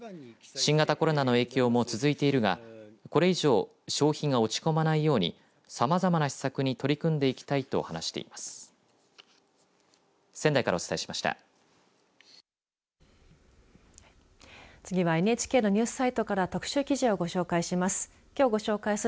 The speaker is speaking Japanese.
新型コロナの影響も続いているがこれ以上消費が落ち込まないようにさまざまな施策に取り組んでいきたいと話しています。